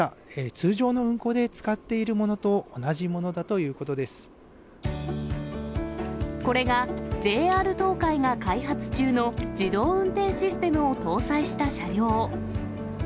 通常の運行で使っているものと同これが、ＪＲ東海が開発中の自動運転システムを搭載した車両。